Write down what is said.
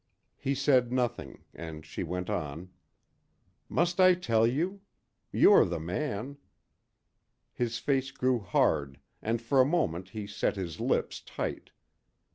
He said nothing, and she went on. "Must I tell you? You are the man." His face grew hard and for a moment he set his lips tight.